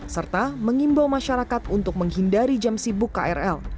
serta mengimbau masyarakat untuk menghindari jam sibuk krl